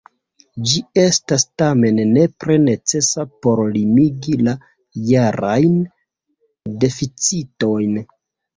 Ĝi estas tamen nepre necesa por limigi la jarajn deficitojn.